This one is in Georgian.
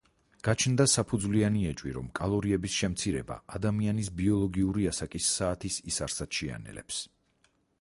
გაჩნდა საფუძვლიანი ეჭვი, რომ კალორიების შემცირება ადამიანის ბიოლოგიური ასაკის საათის ისარსაც შეანელებს.